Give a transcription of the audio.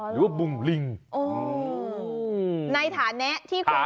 หรือว่าบุงลิงโอ้โฮในฐานะที่คุณค้า